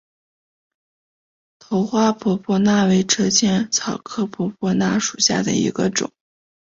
头花婆婆纳为车前草科婆婆纳属下的一个种。